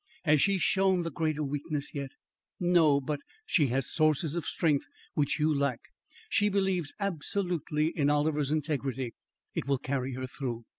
"Has she shown the greater weakness yet?" "No, but " "She has sources of strength which you lack. She believes absolutely in Oliver's integrity. It will carry her through."